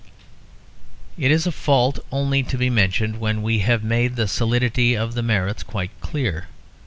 It is a fault only to be mentioned when we have made the solidity of the merits quite clear.